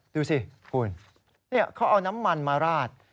ดูสิคุณเขาเอาน้ำมันมาราด